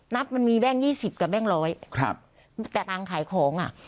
มันมีแบงค์ยี่สิบกับแบงค์ร้อยครับแต่การขายของอ่ะ